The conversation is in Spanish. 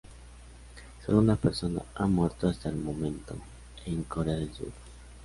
Sólo una persona ha muerto hasta el momento, en Corea del Sur.